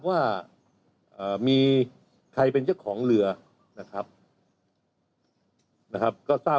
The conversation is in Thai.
ว่ามีใครเป็นเจ้าของเรือนะครับนะครับก็ทราบ